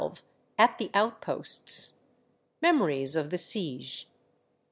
93 AT THE OUTPOSTS. MEMORIES OF THE SIEGE.